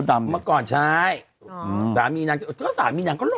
ดนจริงซาม